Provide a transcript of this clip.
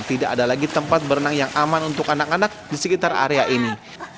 tidak ada lagi tempat berenang yang aman untuk anak anak di sekitar area ini